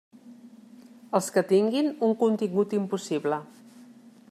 Els que tinguen un contingut impossible.